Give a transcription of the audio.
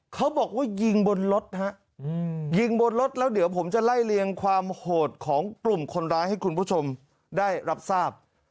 เขาบอกว่ายิงบนรถฮะยิงบนรถแล้วเดี๋ยวผมจะไล่เลียงความโหดของกลุ่มคนร้ายให้คุณผู้ชมได้รับทราบ